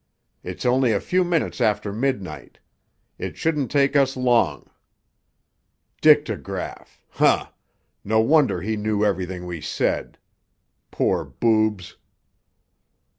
It's only a few minutes after midnight. It shouldn't take us long. Dictograph! Huh! No wonder he knew everything we said. Poor boobs!"